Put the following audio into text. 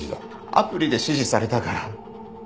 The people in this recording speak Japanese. アプリで指示されたから。